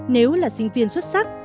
nếu là sinh viên xuất sắc